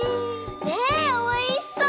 ねえおいしそう！